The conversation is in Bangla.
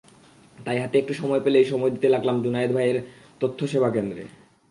তাই হাতে একটু সময় পেলেই সময় দিতে লাগলাম জুনায়েদ ভাইয়ের তথ্যসেবা কেন্দ্রে।